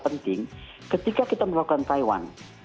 penting ketika kita melakukan taiwan